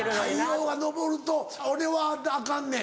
太陽が昇ると俺はアカンねん。